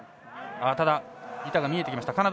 ただ、板が見えてきました。